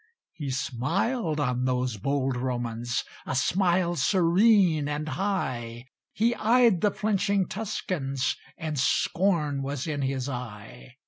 He smiled on those bold Romans A smile serene and high; He eyed the flinching Tuscans, And scorn was in his eye.